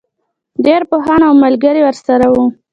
ډېری پوهان او ملګري ورسره وو.